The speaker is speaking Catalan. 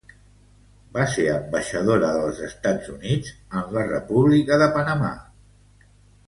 Va ser ambaixadora dels Estats Units en la República de Panamà.